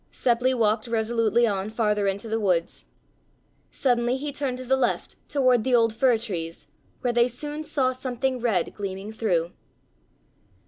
Seppli walked resolutely on farther into the woods. Suddenly he turned to the left toward the old fir trees, where they soon saw something red gleaming through.